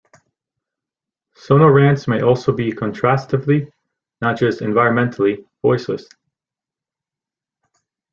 Sonorants may also be contrastively, not just environmentally, voiceless.